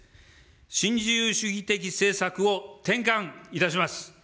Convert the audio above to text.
新自由主義的政策を転換いたします。